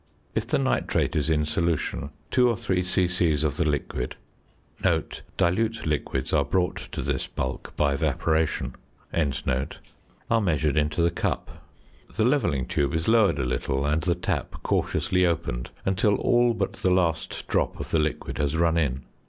If the nitrate is in solution, 2 or 3 c.c. of the liquid (dilute liquids are brought to this bulk by evaporation) are measured into the cup. The levelling tube is lowered a little, and the tap cautiously opened until all but the last drop of the liquid has run in.